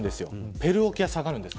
ペルー沖は下がるんです。